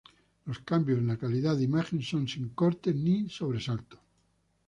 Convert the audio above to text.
Los cambios en la calidad de imagen son sin cortes ni sobresaltos.